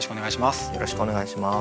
よろしくお願いします。